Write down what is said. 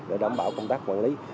để đảm bảo công tác quản lý